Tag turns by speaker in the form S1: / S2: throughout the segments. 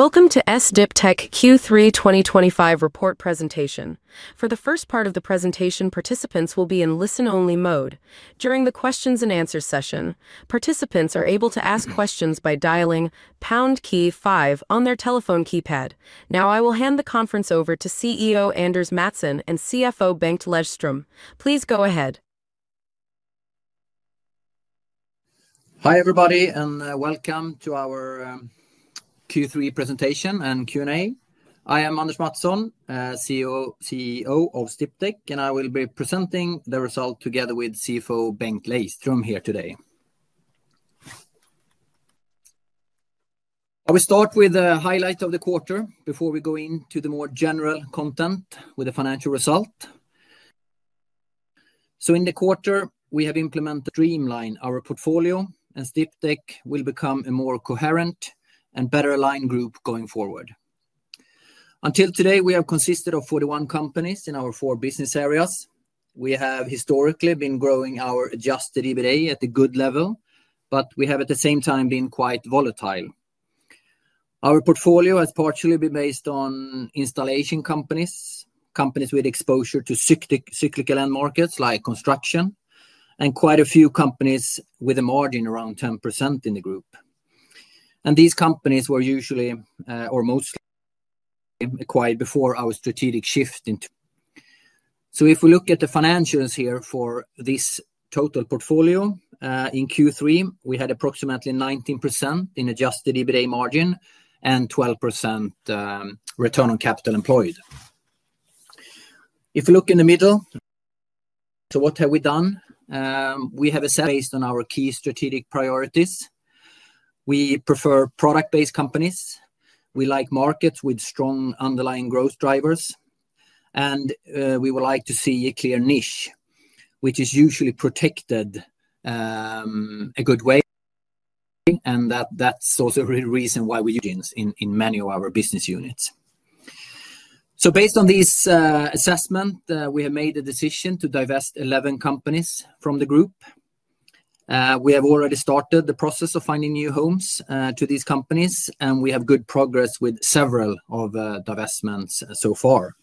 S1: Welcome to Sdiptech Q3 2025 report presentation. For the first part of the presentation, participants will be in listen-only mode. During the questions-and-answers session, participants are able to ask questions by dialing pound key five on their telephone keypad. Now, I will hand the conference over to CEO Anders Mattson and CFO Bengt Lejdström. Please go ahead.
S2: Hi everybody, and welcome to our Q3 presentation and Q&A. I am Anders Mattson, CEO of Sdiptech, and I will be presenting the result together with CFO Bengt Lejdström here today. I will start with the highlights of the quarter before we go into the more general content with the financial results. In the quarter, we have implemented a streamlined portfolio, and Sdiptech will become a more coherent and better aligned group going forward. Until today, we have consisted of 41 companies in our four business areas. We have historically been growing our adjusted EBITDA at a good level, but we have at the same time been quite volatile. Our portfolio has partially been based on installation companies, companies with exposure to cyclical end markets like construction, and quite a few companies with a margin around 10% in the group. These companies were usually or mostly acquired before our strategic shift in Q3. If we look at the financials here for this total portfolio, in Q3, we had approximately 19% in adjusted EBITDA margin and 12% return on capital employed. If we look in the middle, what have we done? We have assessed based on our key strategic priorities. We prefer product-based companies. We like markets with strong underlying growth drivers, and we would like to see a clear niche, which is usually protected in a good way. That is also a reason why we use margins in many of our business units. Based on this assessment, we have made the decision to divest 11 companies from the group. We have already started the process of finding new homes to these companies, and we have good progress with several of the divestments so far.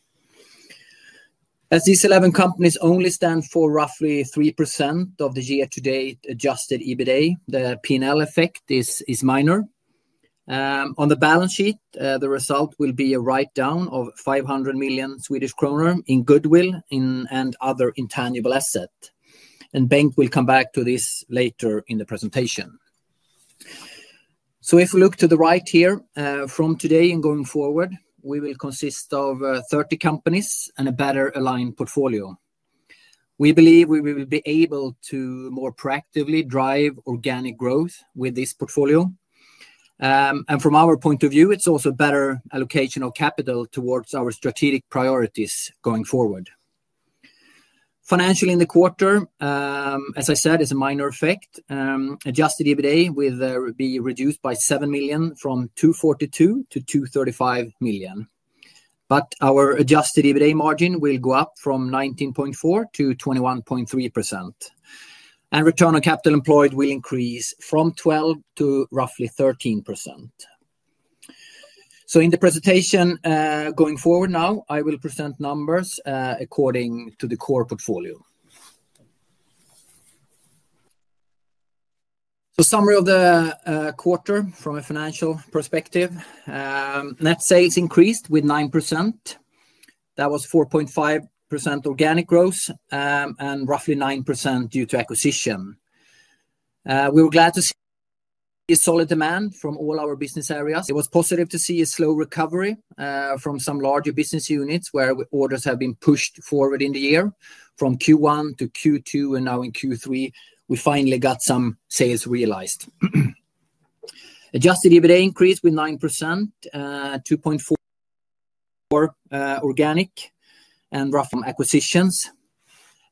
S2: As these 11 companies only stand for roughly 3% of the year-to-date adjusted EBITDA, the P&L effect is minor. On the balance sheet, the result will be a write-down of 500 million Swedish kronor in goodwill and other intangible assets. Bengt will come back to this later in the presentation. If we look to the right here, from today and going forward, we will consist of 30 companies and a better aligned portfolio. We believe we will be able to more proactively drive organic growth with this portfolio. From our point of view, it's also a better allocation of capital towards our strategic priorities going forward. Financially, in the quarter, as I said, it's a minor effect. Adjusted EBITDA will be reduced by 7 million from 242 million-235 million. Our adjusted EBITDA margin will go up from 19.4%-21.3%. Return on capital employed will increase from 12% to roughly 13%. In the presentation going forward now, I will present numbers according to the core portfolio. Summary of the quarter from a financial perspective: net sales increased with 9%. That was 4.5% organic growth and roughly 9% due to acquisition. We were glad to see solid demand from all our business areas. It was positive to see a slow recovery from some larger business units where orders have been pushed forward in the year. From Q1-Q2 and now in Q3, we finally got some sales realized. Adjusted EBITDA increased with 9%, 2.4% organic, and roughly acquisitions.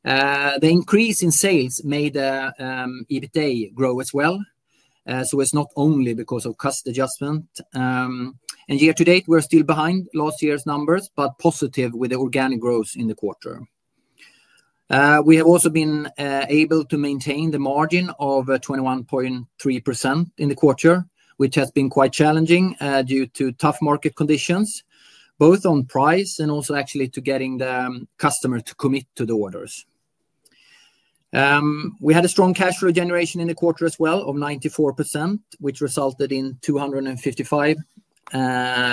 S2: The increase in sales made the EBITDA grow as well. It's not only because of cost adjustment. Year to date, we're still behind last year's numbers, but positive with the organic growth in the quarter. We have also been able to maintain the margin of 21.3% in the quarter, which has been quite challenging due to tough market conditions, both on price and also actually to getting the customer to commit to the orders. We had a strong cash flow generation in the quarter as well of 94%, which resulted in 255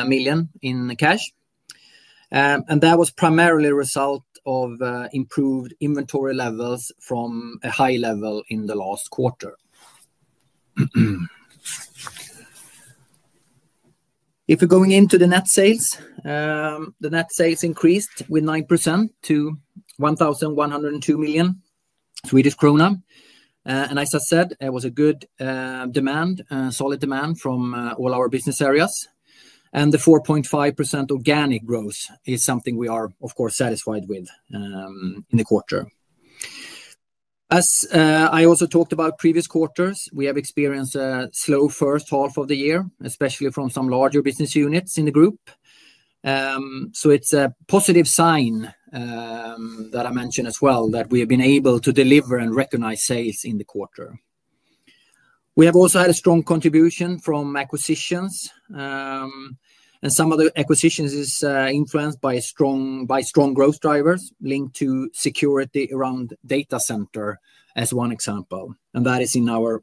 S2: million in cash. That was primarily a result of improved inventory levels from a high level in the last quarter. If we're going into the net sales, the net sales increased with 9% to 1,102 million Swedish krona. As I said, it was a good demand, solid demand from all our business areas. The 4.5% organic growth is something we are, of course, satisfied with in the quarter. As I also talked about previous quarters, we have experienced a slow first half of the year, especially from some larger business units in the group. It's a positive sign that I mentioned as well that we have been able to deliver and recognize sales in the quarter. We have also had a strong contribution from acquisitions. Some of the acquisitions are influenced by strong growth drivers linked to security around the data center as one example. That is in our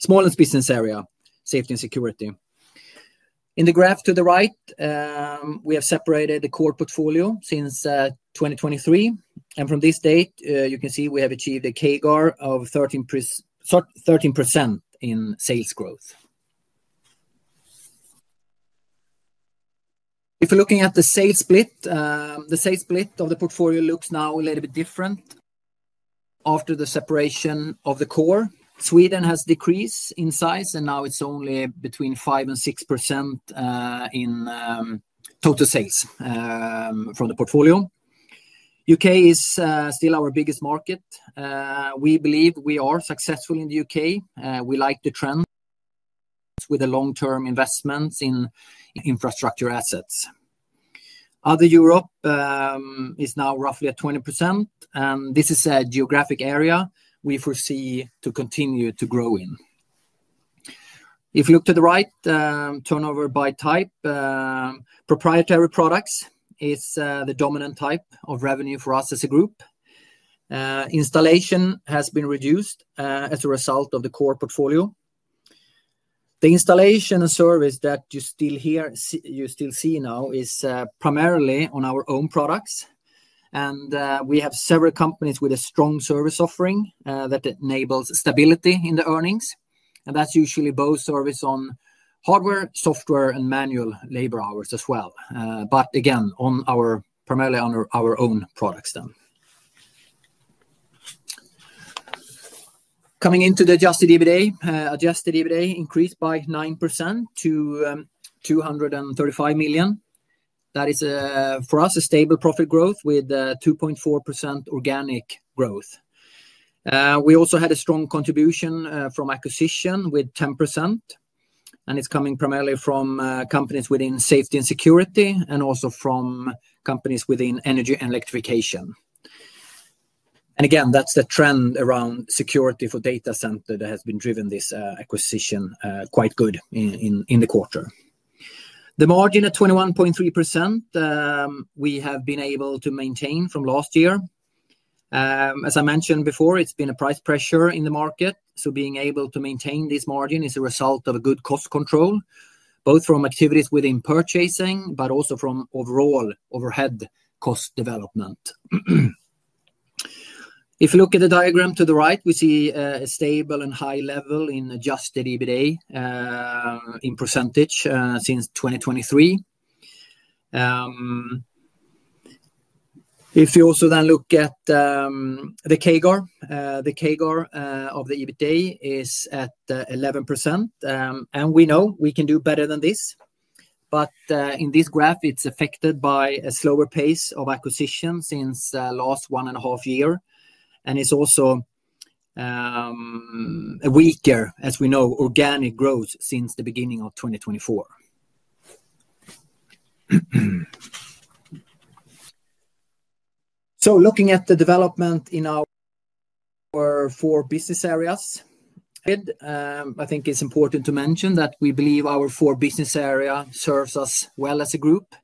S2: smallest business area, safety and security. In the graph to the right, we have separated the core portfolio since 2023. From this date, you can see we have achieved a CAGR of 13% in sales growth. If we're looking at the sales split, the sales split of the portfolio looks now a little bit different. After the separation of the core, Sweden has decreased in size, and now it's only between 5% and 6% in total sales from the portfolio. The U.K. is still our biggest market. We believe we are successful in the U.K. We like the trend with the long-term investments in infrastructure assets. Other Europe is now roughly at 20%. This is a geographic area we foresee to continue to grow in. If you look to the right, turnover by type, proprietary products is the dominant type of revenue for us as a group. Installation has been reduced as a result of the core portfolio. The installation and service that you still hear, you still see now is primarily on our own products. We have several companies with a strong service offering that enables stability in the earnings. That's usually both service on hardware, software, and manual labor hours as well, primarily on our own products then. Coming into the adjusted EBITDA, adjusted EBITDA increased by 9% to 235 million. That is for us a stable profit growth with 2.4% organic growth. We also had a strong contribution from acquisition with 10%. It's coming primarily from companies within safety and security and also from companies within energy and electrification. The trend around security for data center has been driving this acquisition quite good in the quarter. The margin at 21.3%, we have been able to maintain from last year. As I mentioned before, there has been a price pressure in the market. Being able to maintain this margin is a result of good cost control, both from activities within purchasing, but also from overall overhead cost development. If you look at the diagram to the right, we see a stable and high level in adjusted EBITDA in percentage since 2023. If you also then look at the CAGR, the CAGR of the EBITDA is at 11%. We know we can do better than this. In this graph, it's affected by a slower pace of acquisition since the last one and a half years. It's also a weaker, as we know, organic growth since the beginning of 2024. Looking at the development in our four business areas, I think it's important to mention that we believe our four business areas serve us well as a group.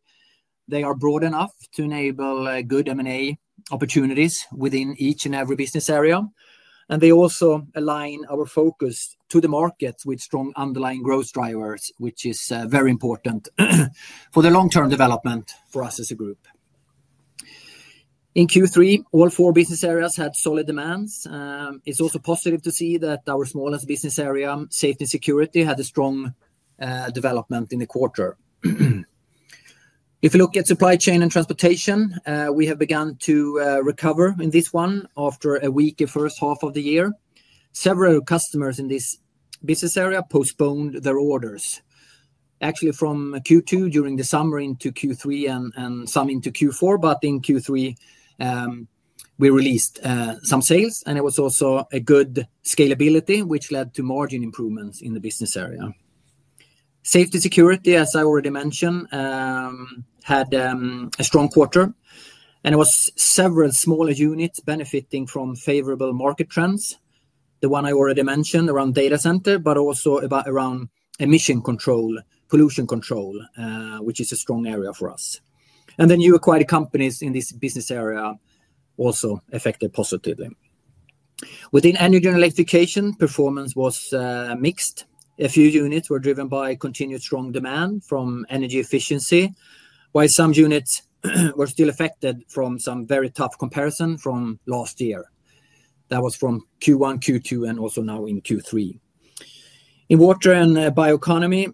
S2: They are broad enough to enable good M&A opportunities within each and every business area. They also align our focus to the markets with strong underlying growth drivers, which is very important for the long-term development for us as a group. In Q3, all four business areas had solid demands. It's also positive to see that our smallest business area, safety and security, had a strong development in the quarter. If you look at supply chain and transportation, we have begun to recover in this one after a weak first half of the year. Several customers in this business area postponed their orders, actually from Q2 during the summer into Q3 and some into Q4. In Q3, we released some sales, and it was also a good scalability, which led to margin improvements in the business area. Safety and security, as I already mentioned, had a strong quarter. It was several smaller units benefiting from favorable market trends. The one I already mentioned around data center, but also around emission control, pollution control, which is a strong area for us. New acquired companies in this business area also affected positively. Within energy and electrification, performance was mixed. A few units were driven by continued strong demand from energy efficiency, while some units were still affected from some very tough comparison from last year. That was from Q1, Q2, and also now in Q3. In water and bioeconomy,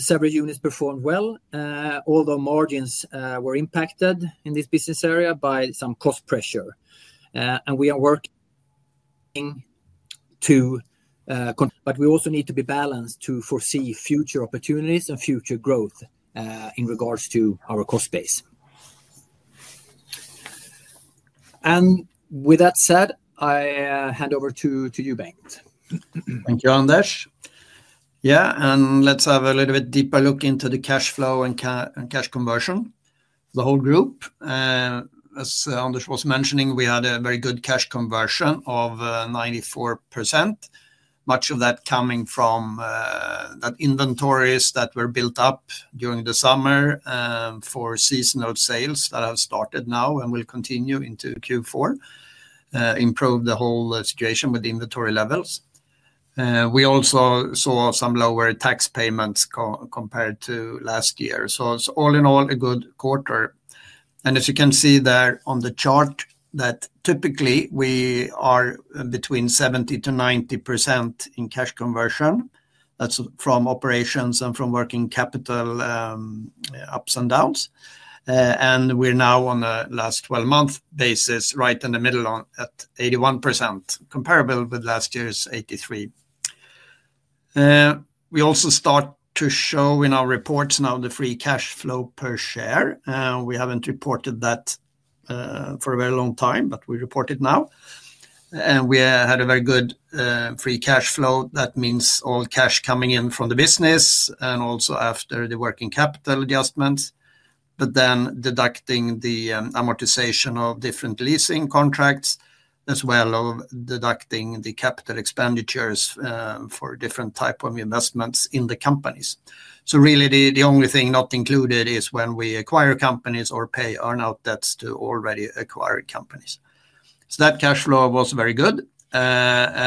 S2: several units performed well, although margins were impacted in this business area by some cost pressure. We are working to control, but we also need to be balanced to foresee future opportunities and future growth in regards to our cost base. With that said, I hand over to you, Bengt.
S3: Thank you, Anders. Yeah, let's have a little bit deeper look into the cash flow and cash conversion for the whole group. As Anders was mentioning, we had a very good cash conversion of 94%. Much of that coming from inventories that were built up during the summer for seasonal sales that have started now and will continue into Q4. Improved the whole situation with inventory levels. We also saw some lower tax payments compared to last year. All in all, a good quarter. As you can see there on the chart, typically we are between 70%-90% in cash conversion. That's from operations and from working capital ups and downs. We're now on the last 12-month basis right in the middle at 81%, comparable with last year's 83%. We also start to show in our reports now the free cash flow per share. We haven't reported that for a very long time, but we report it now. We had a very good free cash flow. That means all cash coming in from the business and also after the working capital adjustments, but then deducting the amortization of different leasing contracts as well as deducting the capital expenditures for different types of investments in the companies. Really, the only thing not included is when we acquire companies or pay earnout debts to already acquired companies. That cash flow was very good. Apart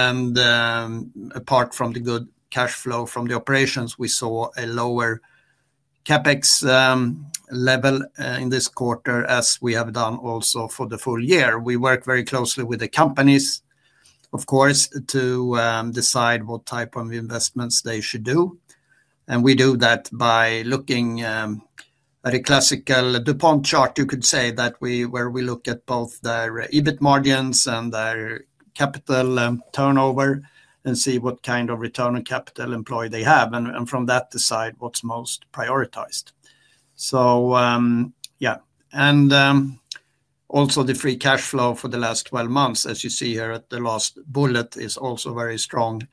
S3: from the good cash flow from the operations, we saw a lower CapEx level in this quarter, as we have done also for the full year. We work very closely with the companies, of course, to decide what type of investments they should do. We do that by looking at a classical DuPont chart, you could say, where we look at both their EBITDA margins and their capital turnover and see what kind of return on capital employed they have. From that, decide what's most prioritized. Also, the free cash flow for the last 12 months, as you see here at the last bullet, is also very strong,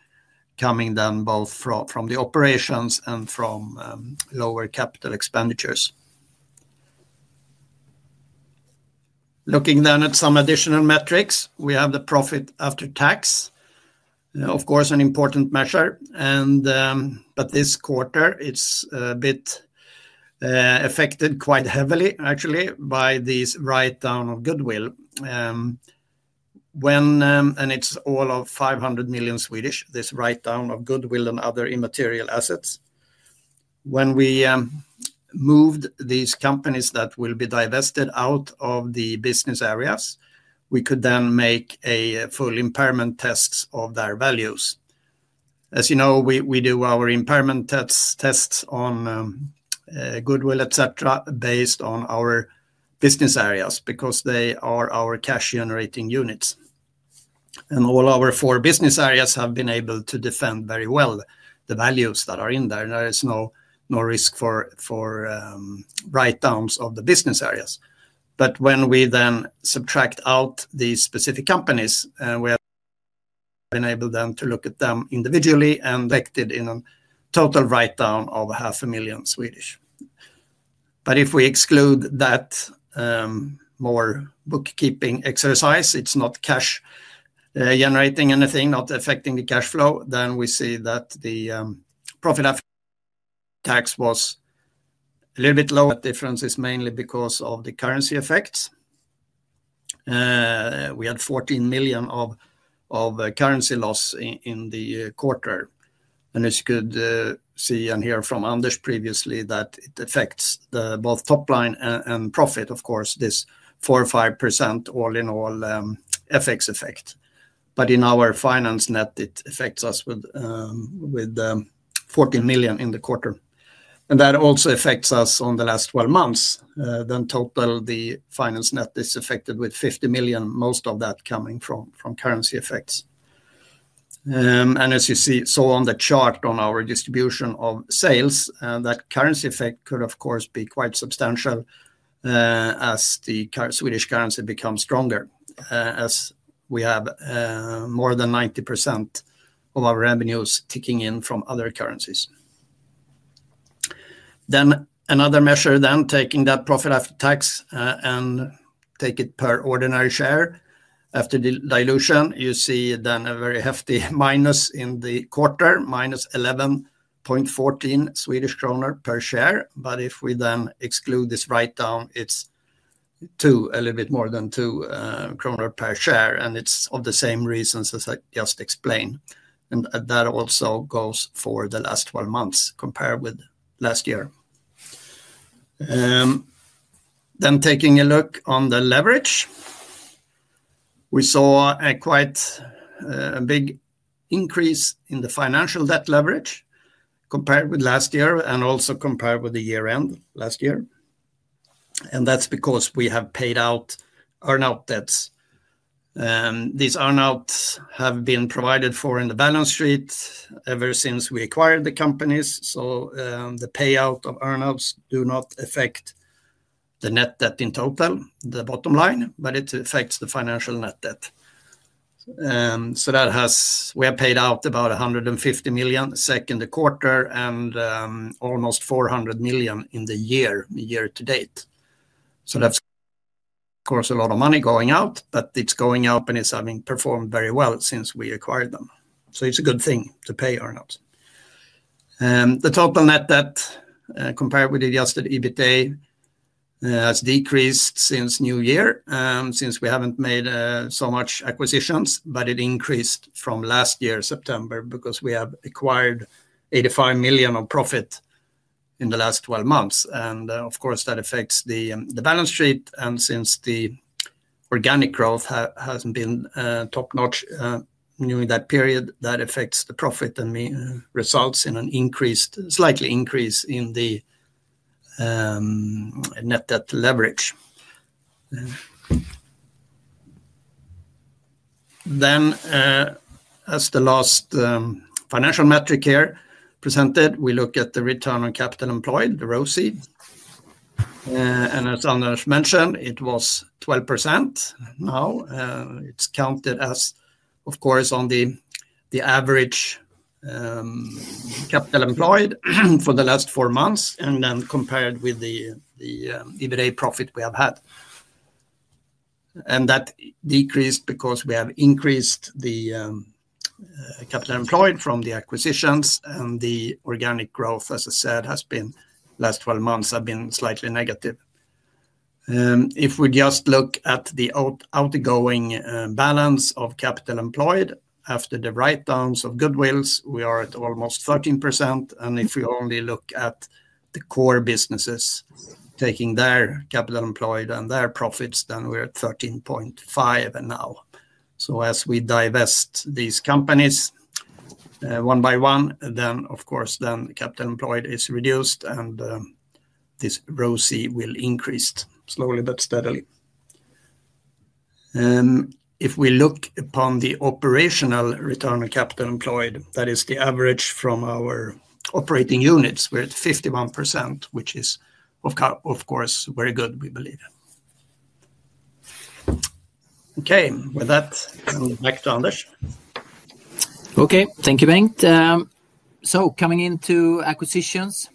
S3: coming then both from the operations and from lower capital expenditures. Looking then at some additional metrics, we have the profit after tax, of course, an important measure. This quarter, it's a bit affected quite heavily, actually, by this write-down of goodwill. It's all of 500 million, this write-down of goodwill and other immaterial assets. When we moved these companies that will be divested out of the business areas, we could then make a full impairment test of their values. As you know, we do our impairment tests on goodwill, etc., based on our business areas because they are our cash-generating units. All our four business areas have been able to defend very well the values that are in there. There is no risk for write-downs of the business areas. When we subtract out these specific companies, we have been able then to look at them individually and affected in a total write-down of 500 million. If we exclude that more bookkeeping exercise, it's not cash-generating anything, not affecting the cash flow, then we see that the profit after tax was a little bit low. That difference is mainly because of the currency effects. We had 14 million of currency loss in the quarter. As you could see and hear from Anders previously, it affects both top line and profit, of course, this 4%-5% all in all FX effect. In our finance net, it affects us with 14 million in the quarter. That also affects us on the last 12 months. In total, the finance net is affected with 50 million, most of that coming from currency effects. As you saw on the chart on our distribution of sales, that currency effect could, of course, be quite substantial as the Swedish currency becomes stronger, as we have more than 90% of our revenues ticking in from other currencies. Another measure, then taking that profit after tax and take it per ordinary share. After the dilution, you see a very hefty minus in the quarter, -11.14 Swedish kronor per share. If we then exclude this write-down, it's a little bit more than 2 kronor per share. It's of the same reasons as I just explained. That also goes for the last 12 months compared with last year. Taking a look at the leverage, we saw a quite big increase in the financial debt leverage compared with last year and also compared with the year-end last year. That's because we have paid out earnout debts. These earnouts have been provided for in the balance sheet ever since we acquired the companies. The payout of earnouts does not affect the net debt in total, the bottom line, but it affects the financial net debt. We have paid out about 150 million second quarter and almost 400 million in the year to date. That's, of course, a lot of money going out, but it's going out. Companies have performed very well since we acquired them. It's a good thing to pay earnouts. The total net debt compared with the adjusted EBITDA has decreased since the new year, since we haven't made so much acquisitions, but it increased from last year's September because we have acquired 85 million of profit in the last 12 months. That affects the balance sheet. Since the organic growth hasn't been top-notch during that period, that affects the profit and results in a slight increase in the net debt leverage. As the last financial metric here presented, we look at the return on capital employed, the ROCE. As Anders mentioned, it was 12% now. It's counted as, of course, on the average capital employed for the last four months and then compared with the EBITDA profit we have had. That decreased because we have increased the capital employed from the acquisitions. The organic growth, as I said, the last 12 months have been slightly negative. If we just look at the outgoing balance of capital employed after the write-downs of goodwill, we are at almost 13%. If we only look at the core businesses taking their capital employed and their profits, then we're at 13.5% now. As we divest these companies one by one, the capital employed is reduced and this ROCE will increase slowly but steadily. If we look upon the operational return on capital employed, that is the average from our operating units, we're at 51%, which is, of course, very good, we believe in. Okay, with that, I'm back to Anders.
S2: Okay, thank you, Bengt. Coming into acquisitions,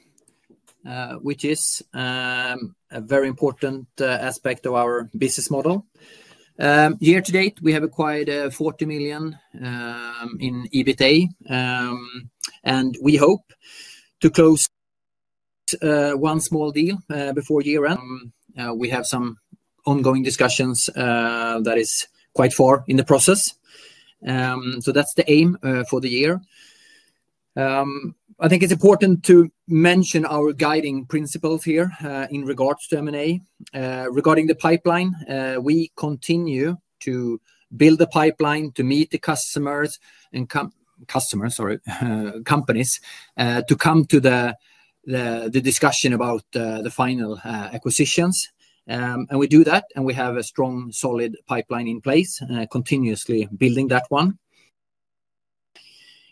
S2: which is a very important aspect of our business model. Year to date, we have acquired 40 million in EBITDA. We hope to close one small deal before year-end. We have some ongoing discussions that are quite far in the process. That's the aim for the year. I think it's important to mention our guiding principles here in regards to M&A. Regarding the pipeline, we continue to build a pipeline to meet the companies to come to the discussion about the final acquisitions. We do that, and we have a strong, solid pipeline in place, continuously building that one.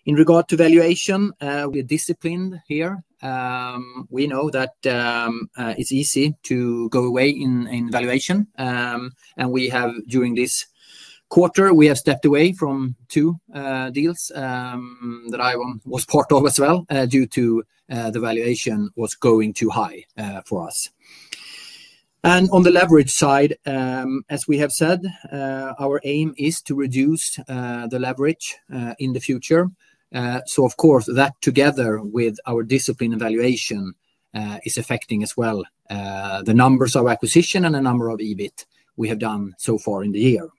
S2: In regard to valuation, we are disciplined here. We know that it's easy to go away in valuation. During this quarter, we have stepped away from two deals that I was part of as well due to the valuation going too high for us. On the leverage side, as we have said, our aim is to reduce the leverage in the future. That, together with our discipline in valuation, is affecting as well the numbers of acquisition and the number of EBIT we have done so far in the year.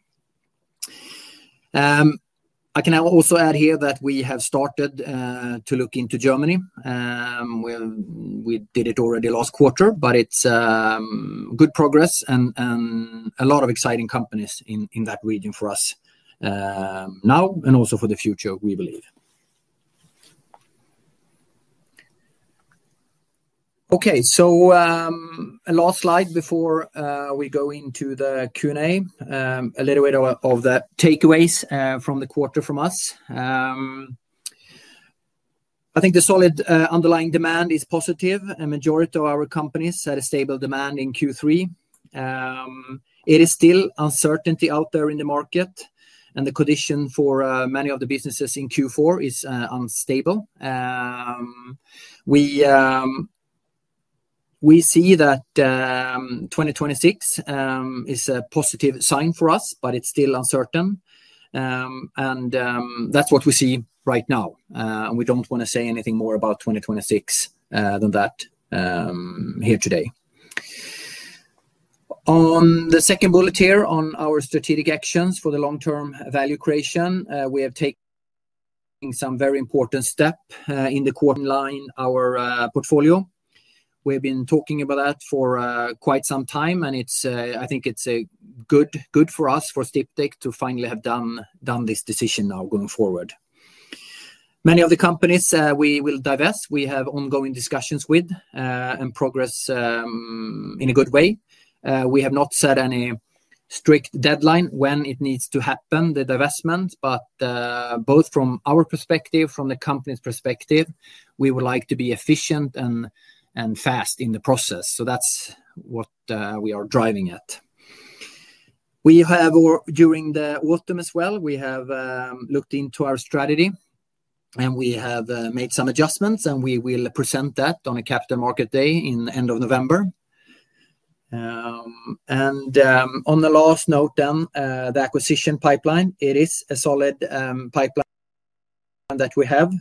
S2: I can also add here that we have started to look into Germany. We did it already last quarter, but it's good progress and a lot of exciting companies in that region for us now and also for the future, we believe. A last slide before we go into the Q&A, a little bit of the takeaways from the quarter from us. I think the solid underlying demand is positive. A majority of our companies had a stable demand in Q3. It is still uncertainty out there in the market, and the condition for many of the businesses in Q4 is unstable. We see that 2026 is a positive sign for us, but it's still uncertain. That's what we see right now. We don't want to say anything more about 2026 than that here today. On the second bullet here on our strategic actions for the long-term value creation, we have taken some very important steps in the quarter to align our portfolio. We have been talking about that for quite some time, and I think it's good for us, for Sdiptech, to finally have done this decision now going forward. Many of the companies we will divest, we have ongoing discussions with and progress in a good way. We have not set any strict deadline when it needs to happen, the divestment, but both from our perspective, from the company's perspective, we would like to be efficient and fast in the process. That's what we are driving at. During the autumn as well, we have looked into our strategy, and we have made some adjustments, and we will present that on a Capital Markets Day in the end of November. On the last note then, the acquisition pipeline, it is a solid pipeline that we have.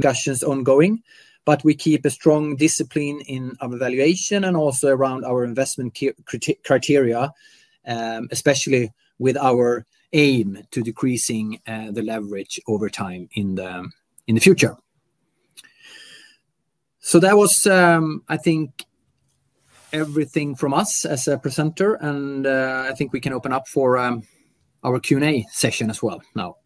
S2: Discussions ongoing, but we keep a strong discipline in our valuation and also around our investment criteria, especially with our aim to decreasing the leverage over time in the future. That was, I think, everything from us as a presenter, and I think we can open up for our Q&A session as well now.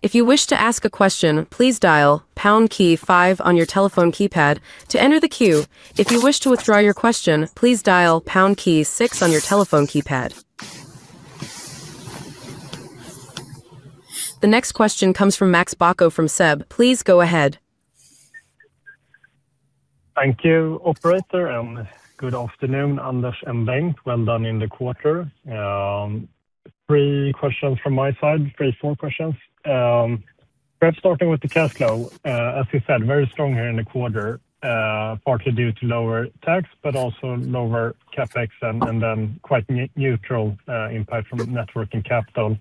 S1: If you wish to ask a question, please dial pound key five on your telephone keypad to enter the queue. If you wish to withdraw your question, please dial pound key six on your telephone keypad. The next question comes from Max Bacco from SEB. Please go ahead.
S4: Thank you, operator, and good afternoon, Anders and Bengt. Well done in the quarter. Three questions from my side, three, four questions. Perhaps starting with the cash flow, as you said, very strong here in the quarter, partly due to lower tax, but also lower CapEx and then quite neutral impact from networking capital.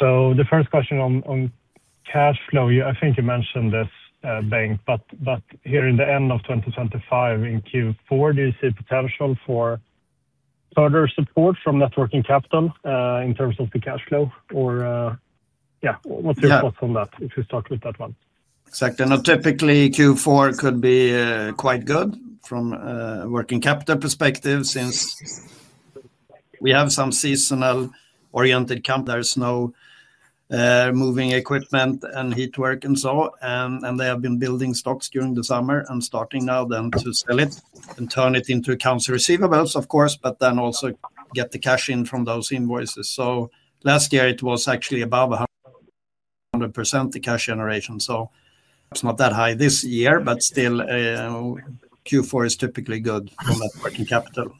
S4: The first question on cash flow, I think you mentioned this, Bengt, but here in the end of 2025, in Q4, do you see potential for further support from networking capital in terms of the cash flow? What's your thoughts on that if we start with that one?
S3: Exactly, and typically Q4 could be quite good from a working capital perspective since we have some seasonal-oriented companies. There is no moving equipment and heat work and so on. They have been building stocks during the summer and starting now to sell it and turn it into accounts receivables, of course, but then also get the cash in from those invoices. Last year it was actually above 100% the cash generation. It's not that high this year, but still Q4 is typically good for working capital.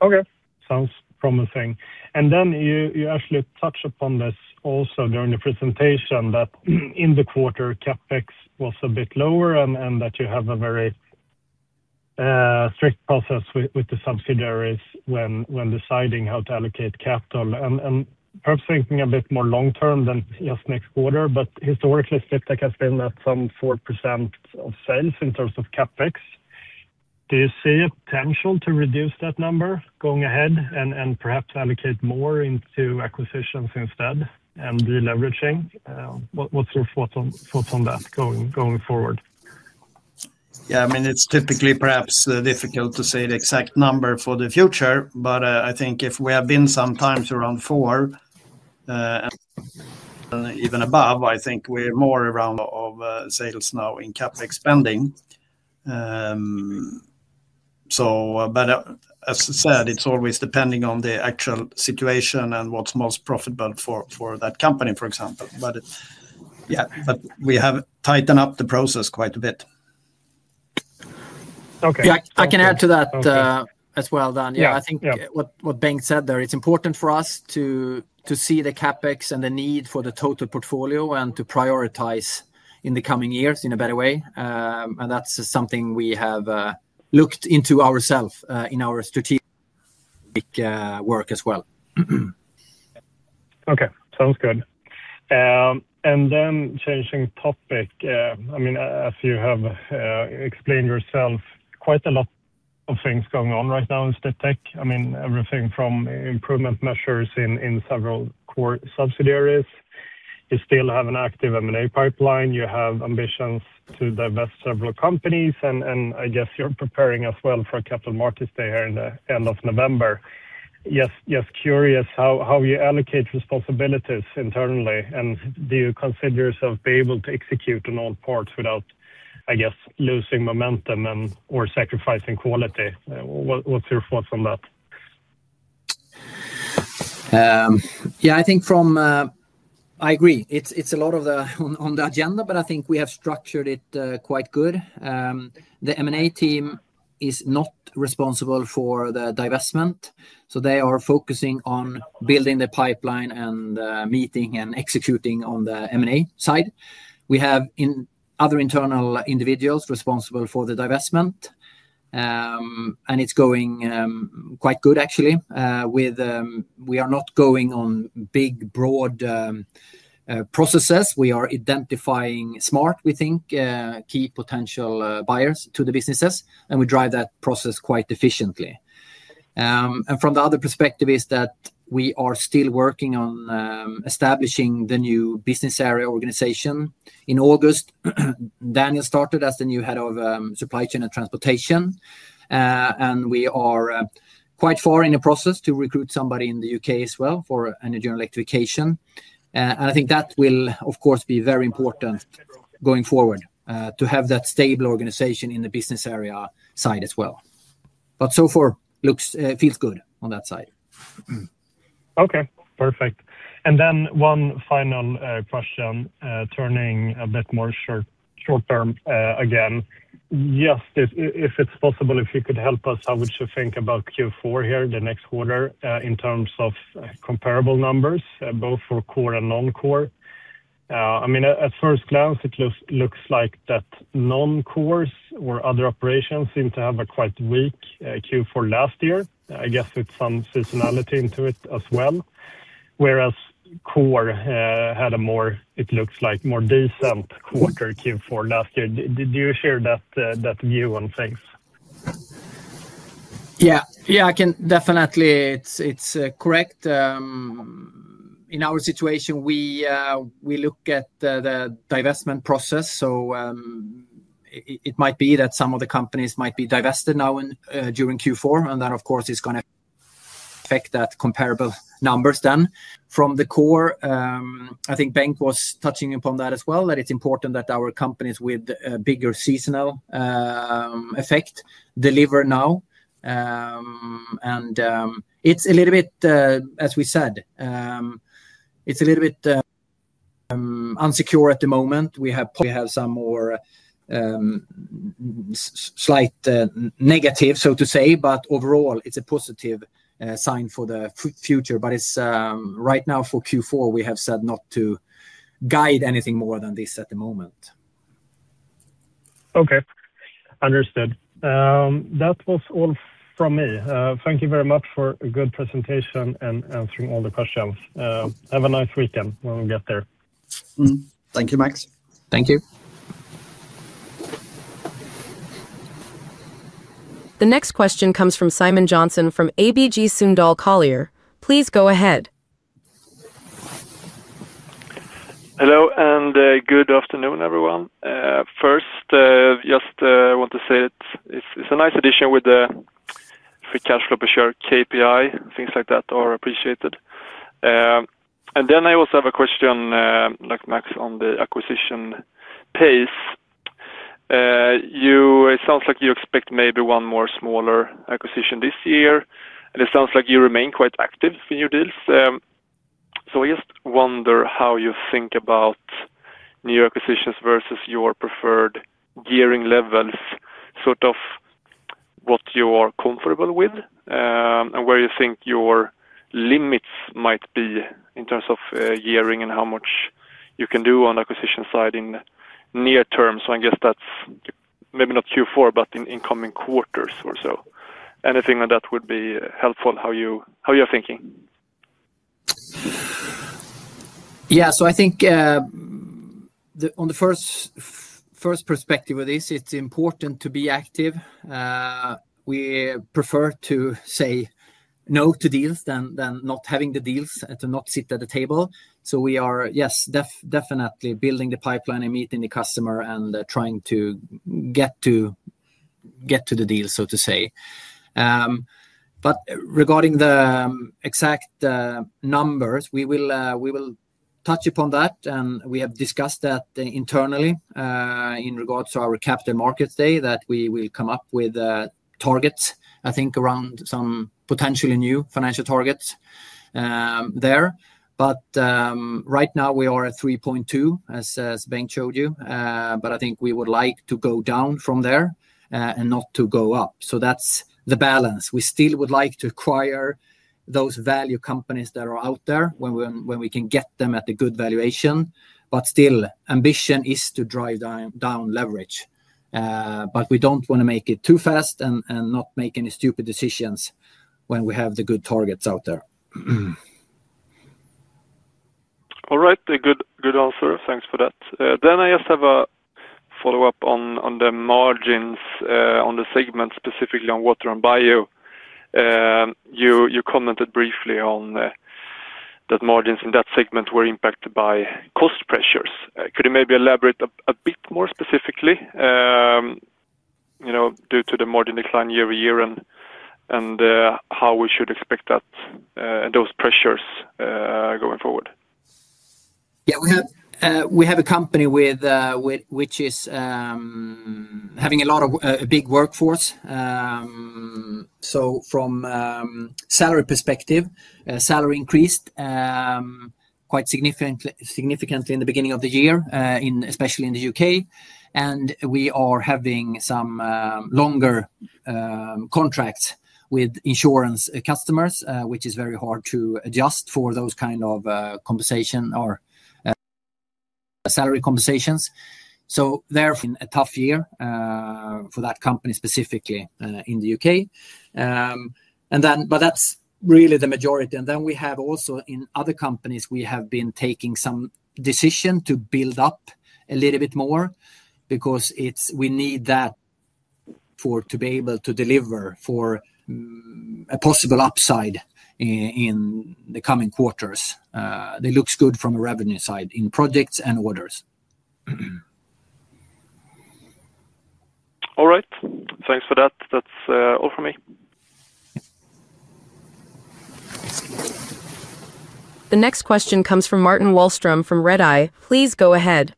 S4: Okay, sounds promising. You actually touch upon this also during the presentation that in the quarter CapEx was a bit lower and that you have a very strict process with the subsidiaries when deciding how to allocate capital. Perhaps thinking a bit more long-term than just next quarter, but historically Sdiptech has been at some 4% of sales in terms of CapEx. Do you see a potential to reduce that number going ahead and perhaps allocate more into acquisitions instead and deleveraging? What's your thoughts on that going forward?
S3: Yeah, I mean, it's typically perhaps difficult to say the exact number for the future, but I think if we have been sometimes around 4 and even above, I think we're more around of sales now in CapEx spending. As I said, it's always depending on the actual situation and what's most profitable for that company, for example. We have tightened up the process quite a bit.
S4: Okay.
S2: I can add to that as well. I think what Bengt said there, it's important for us to see the CapEx and the need for the total portfolio and to prioritize in the coming years in a better way. That's something we have looked into ourselves in our strategic work as well.
S4: Okay, sounds good. Changing topic, as you have explained yourself, quite a lot of things going on right now in Sdiptech. Everything from improvement measures in several core subsidiaries, you still have an active M&A pipeline, you have ambitions to divest several companies, and I guess you're preparing as well for a Capital Markets Day here in the end of November. Just curious how you allocate responsibilities internally, and do you consider yourself to be able to execute on all parts without losing momentum or sacrificing quality? What's your thoughts on that?
S2: Yeah, I think from I agree, it's a lot on the agenda, but I think we have structured it quite good. The M&A team is not responsible for the divestment. They are focusing on building the pipeline and meeting and executing on the M&A side. We have other internal individuals responsible for the divestment, and it's going quite good, actually. We are not going on big, broad processes. We are identifying smart, we think, key potential buyers to the businesses, and we drive that process quite efficiently. From the other perspective, we are still working on establishing the new business area organization. In August, Daniel started as the new Head of Supply Chain and Transportation, and we are quite far in the process to recruit somebody in the U.K. as well for Energy and Electrification. I think that will, of course, be very important going forward to have that stable organization in the business area side as well. So far, it feels good on that side.
S4: Okay, perfect. One final question, turning a bit more short-term again. If it's possible, if you could help us, how would you think about Q4 here, the next quarter, in terms of comparable numbers, both for core and non-core? At first glance, it looks like non-core or other operations seem to have a quite weak Q4 last year, I guess with some seasonality into it as well, whereas core had a more, it looks like, more decent quarter Q4 last year. Do you share that view on things?
S2: Yeah, yeah, I can definitely, it's correct. In our situation, we look at the divestment process. It might be that some of the companies might be divested now during Q4, and of course, it's going to affect that comparable numbers then. From the core, I think Bengt was touching upon that as well, that it's important that our companies with a bigger seasonal effect deliver now. It's a little bit, as we said, it's a little bit unsecure at the moment. We have some more slight negative, so to say, but overall, it's a positive sign for the future. Right now, for Q4, we have said not to guide anything more than this at the moment.
S4: Okay, understood. That was all from me. Thank you very much for a good presentation and answering all the questions. Have a nice weekend when we get there.
S2: Thank you, Max.
S3: Thank you.
S1: The next question comes from Simon Jönsson from ABG Sundal Collier. Please go ahead.
S5: Hello, and good afternoon, everyone. First, just want to say it's a nice addition with the free cash flow per share KPI. Things like that are appreciated. I also have a question, like Max, on the acquisition pace. It sounds like you expect maybe one more smaller acquisition this year. It sounds like you remain quite active with new deals. I just wonder how you think about new acquisitions versus your preferred gearing levels, sort of what you are comfortable with, and where you think your limits might be in terms of gearing and how much you can do on the acquisition side in near term. I guess that's maybe not Q4, but in coming quarters or so. Anything on that would be helpful, how you're thinking?
S2: Yeah, so I think on the first perspective of this, it's important to be active. We prefer to say no to deals than not having the deals and to not sit at the table. We are, yes, definitely building the pipeline and meeting the customer and trying to get to the deal, so to say. Regarding the exact numbers, we will touch upon that. We have discussed that internally in regards to our Capital Markets Day that we will come up with targets, I think around some potentially new financial targets there. Right now, we are at 3.2, as Bengt showed you. I think we would like to go down from there and not to go up. That's the balance. We still would like to acquire those value companies that are out there when we can get them at a good valuation. Still, ambition is to drive down leverage. We don't want to make it too fast and not make any stupid decisions when we have the good targets out there.
S5: All right, good answer. Thanks for that. I just have a follow-up on the margins on the segment, specifically on water and bio. You commented briefly that margins in that segment were impacted by cost pressures. Could you maybe elaborate a bit more specifically due to the margin decline year-over-year and how we should expect those pressures going forward?
S2: Yeah, we have a company which is having a lot of big workforce. From a salary perspective, salary increased quite significantly in the beginning of the year, especially in the U.K. We are having some longer contracts with insurance customers, which is very hard to adjust for those kinds of compensation or salary compensations. Therefore, it's been a tough year for that company specifically in the U.K. That's really the majority. In other companies, we have been taking some decisions to build up a little bit more because we need that to be able to deliver for a possible upside in the coming quarters. They look good from a revenue side in projects and orders.
S5: All right, thanks for that. That's all for me.
S1: The next question comes from Martin Wahlström from Redeye. Please go ahead.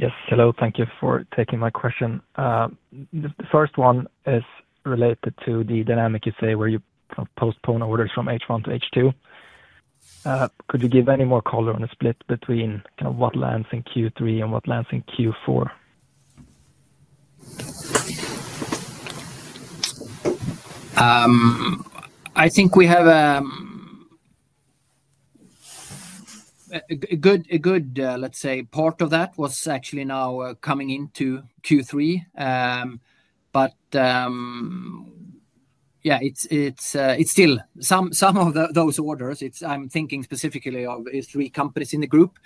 S6: Yes, hello, thank you for taking my question. The first one is related to the dynamic you say where you postpone orders from H1 to H2. Could you give any more color on the split between kind of what lands in Q3 and what lands in Q4?
S2: I think we have a good, let's say, part of that was actually now coming into Q3. It's still some of those orders. I'm thinking specifically of three companies in the group.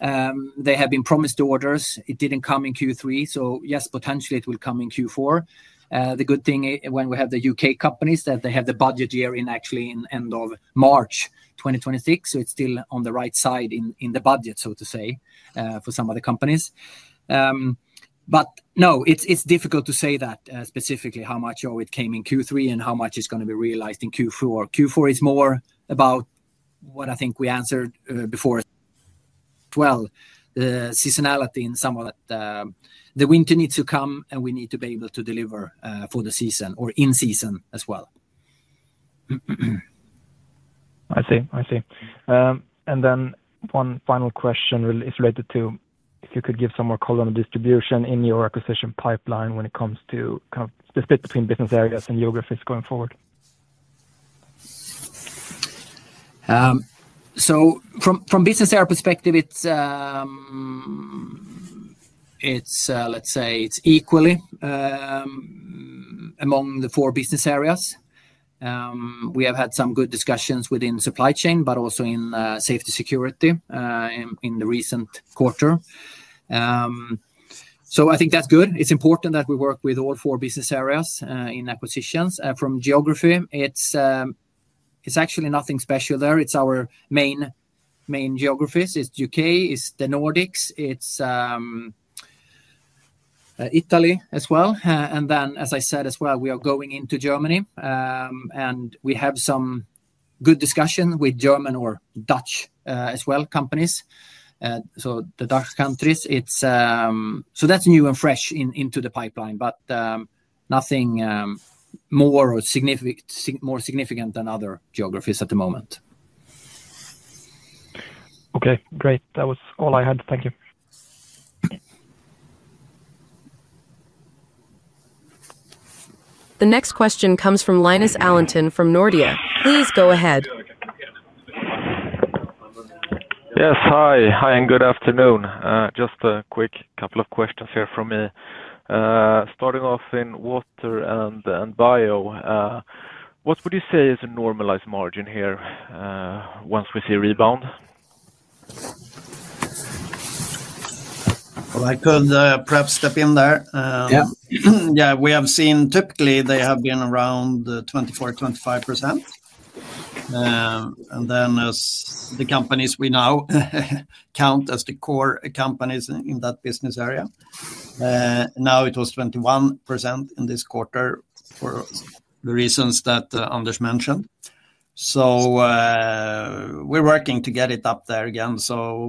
S2: They have been promised orders. It didn't come in Q3. Potentially it will come in Q4. The good thing when we have the U.K. companies is that they have the budget year actually end of March 2026. It's still on the right side in the budget, so to say, for some of the companies. It's difficult to say specifically how much it came in Q3 and how much is going to be realized in Q4. Q4 is more about what I think we answered before. The seasonality in some. The winter needs to come and we need to be able to deliver for the season or in season as well.
S6: I see. One final question is related to if you could give some more color on the distribution in your acquisition pipeline when it comes to the split between business areas and geographies going forward.
S2: From a business area perspective, it's, let's say, it's equally among the four business areas. We have had some good discussions within supply chain, but also in safety and security in the recent quarter. I think that's good. It's important that we work with all four business areas in acquisitions. From geography, it's actually nothing special there. It's our main geographies. It's the U.K., it's the Nordics, it's Italy as well. As I said as well, we are going into Germany. We have some good discussions with German or Dutch as well companies. The Dutch countries, it's so that's new and fresh into the pipeline, but nothing more or more significant than other geographies at the moment.
S6: Okay, great. That was all I had. Thank you.
S1: The next question comes from Linus Alentun from Nordea. Please go ahead.
S7: Yes, hi. Hi and good afternoon. Just a quick couple of questions here from me. Starting off in water and bio, what would you say is a normalized margin here once we see a rebound?
S3: I could perhaps step in there. Yeah, we have seen typically they have been around 24%-25%. As the companies we now count as the core companies in that business area, now it was 21% in this quarter for the reasons that Anders mentioned. We're working to get it up there again.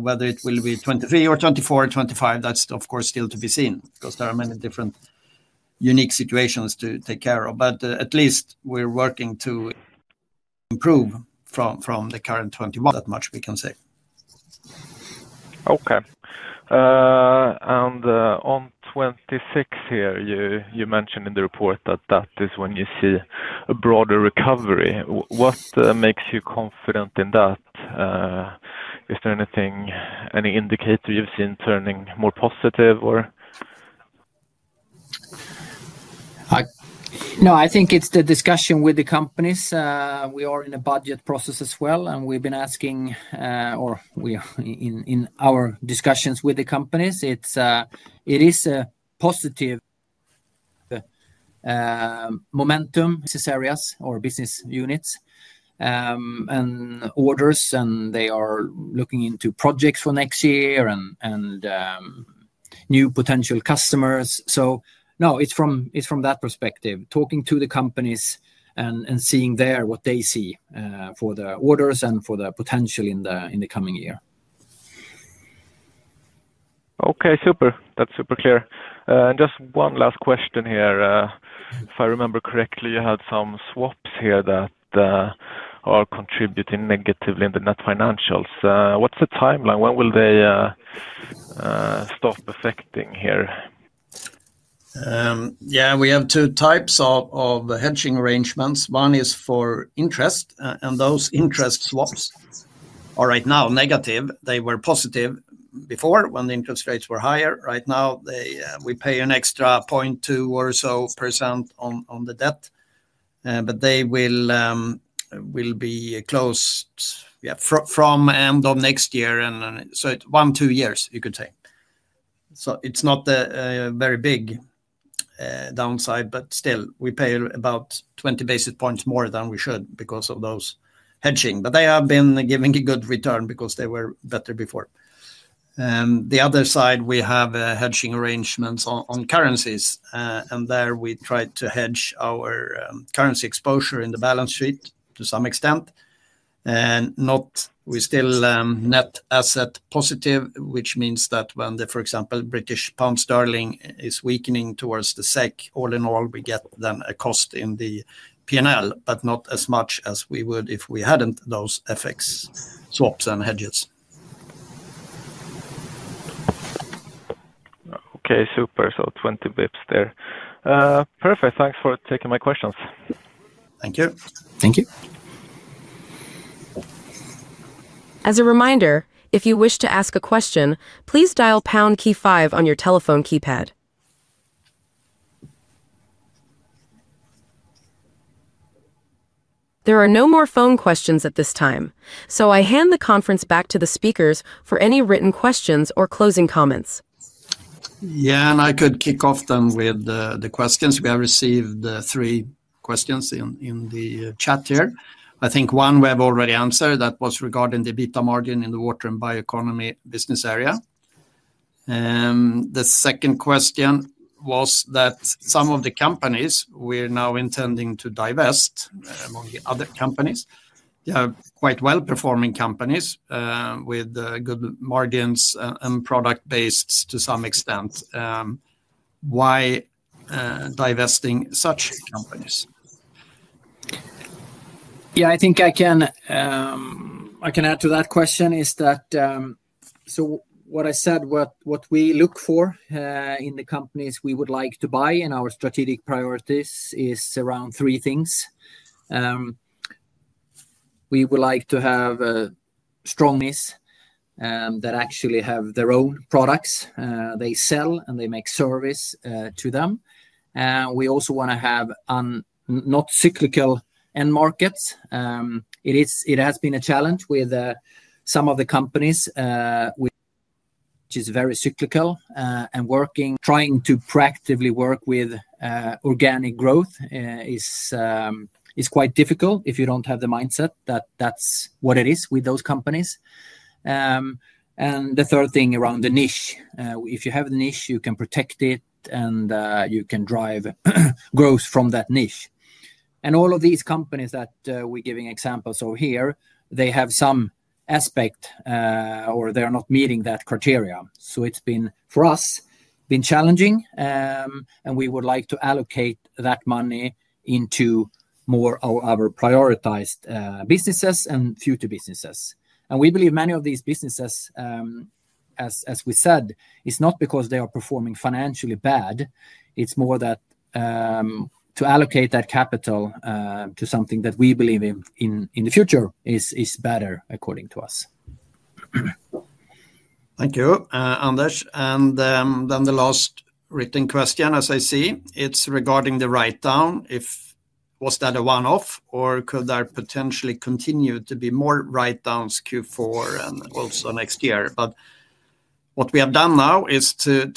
S3: Whether it will be 23% or 24% or 25%, that's of course still to be seen because there are many different unique situations to take care of. At least we're working to improve from the current 21%. That much we can say.
S7: Okay. On 26% here, you mentioned in the report that that is when you see a broader recovery. What makes you confident in that? Is there any indicator you've seen turning more positive?
S2: No, I think it's the discussion with the companies. We are in a budget process as well, and we've been asking or we are in our discussions with the companies. It is a positive momentum. Areas or business units and orders, and they are looking into projects for next year and new potential customers. No, it's from that perspective, talking to the companies and seeing there what they see for the orders and for the potential in the coming year.
S7: Okay, super. That's super clear. Just one last question here. If I remember correctly, you had some swaps here that are contributing negatively in the net financials. What's the timeline? When will they stop affecting here?
S3: Yeah, we have two types of hedging arrangements. One is for interest, and those interest swaps are right now negative. They were positive before when the interest rates were higher. Right now, we pay an extra 0.2% or so on the debt, but they will be closed from the end of next year. It's one, two years, you could say. It's not a very big downside, but still we pay about 20 basis points more than we should because of those hedging. They have been giving a good return because they were better before. The other side, we have hedging arrangements on currencies, and there we try to hedge our currency exposure in the balance sheet to some extent. We're still net asset positive, which means that when, for example, British pound sterling is weakening towards the SEK, all in all, we get then a cost in the P&L, but not as much as we would if we hadn't those FX swaps and hedges.
S7: Okay, super. 20 basis points there. Perfect. Thanks for taking my questions.
S2: Thank you.
S3: Thank you.
S1: As a reminder, if you wish to ask a question, please dial pound key five on your telephone keypad. There are no more phone questions at this time. I hand the conference back to the speakers for any written questions or closing comments.
S2: I could kick off then with the questions. We have received three questions in the chat here. I think one we have already answered. That was regarding the EBITDA margin in the water and bioeconomy business area. The second question was that some of the companies we're now intending to divest among the other companies, they are quite well-performing companies with good margins and product-based to some extent. Why divesting such companies? Yeah, I think I can add to that question. What I said, what we look for in the companies we would like to buy in our strategic priorities is around three things. We would like to have strong companies that actually have their own products. They sell and they make service to them. We also want to have not cyclical end markets. It has been a challenge with some of the companies which are very cyclical and working. Trying to practically work with organic growth is quite difficult if you don't have the mindset that that's what it is with those companies. The third thing is around the niche. If you have the niche, you can protect it and you can drive growth from that niche. All of these companies that we're giving examples of here, they have some aspect or they're not meeting that criteria. It's been, for us, challenging. We would like to allocate that money into more of our prioritized businesses and future businesses. We believe many of these businesses, as we said, it's not because they are performing financially bad. It's more that to allocate that capital to something that we believe in the future is better according to us.
S3: Thank you, Anders. The last written question, as I see, is regarding the write-down. If that was a one-off or could there potentially continue to be more write-downs in Q4 and also next year? What we have done now is, to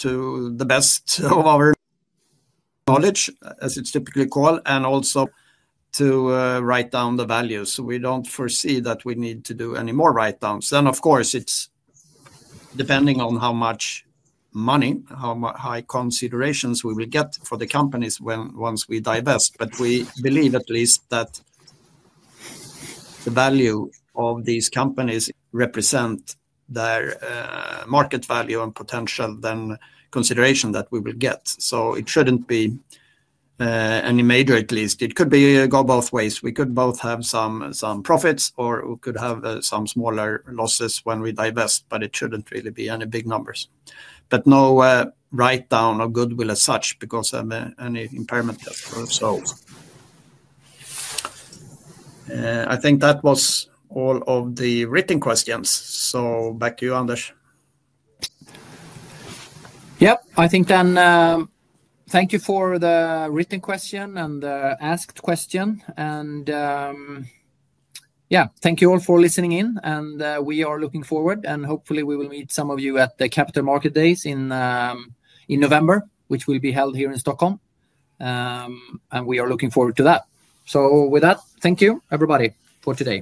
S3: the best of our knowledge, as it's typically called, and also to write down the value. We don't foresee that we need to do any more write-downs. Of course, it's depending on how much money, how high considerations we will get for the companies once we divest. We believe at least that the value of these companies represents their market value and potential consideration that we will get. It shouldn't be any major at least. It could go both ways. We could both have some profits or we could have some smaller losses when we divest, but it shouldn't really be any big numbers. No write-down or goodwill as such because of any impairment. I think that was all of the written questions. Back to you, Anders.
S2: Thank you for the written question and the asked question. Thank you all for listening in. We are looking forward, and hopefully, we will meet some of you at the Capital Market Days in November, which will be held here in Stockholm. We are looking forward to that. With that, thank you, everybody. Good to be here.